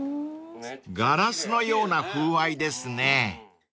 ［ガラスのような風合いですね］